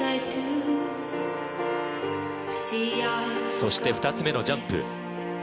そして２つ目のジャンプ。